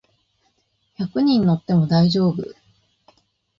百人乗っても大丈夫